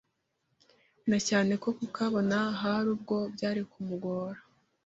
na cyane ko kukabona hari ubwo byari ku mugora